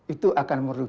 itu adalah kesimpulan